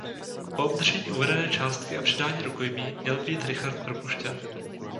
Po obdržení uvedené částky a předání rukojmí měl být Richard propuštěn.